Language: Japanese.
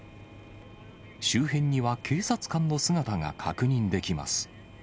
周辺には警察官の姿が確認できます。